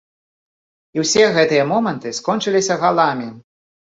І ўсе гэтыя моманты скончыліся галамі!